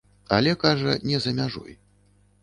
Але, кажа, не за мяжой.